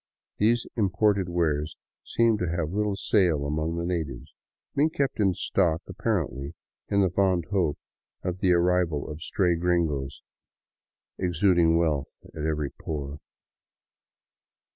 These imported wares seem to have little sale among the natives, being kept in stock apparently in the fond hope of the arrival of stray gringos exuding wealth at every pore.